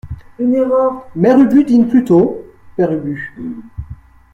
Mère Ubu Dîne plutôt, Père Ubu.